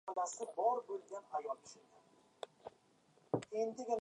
• Oshiq-moshiqlar faqat eshik-romlarnigina emas, butun dunyoni ham ushlab turadi.